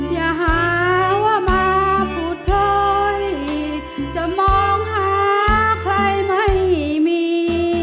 อย่าหาว่ามาพูดพลอยจะมองหาใครไม่มี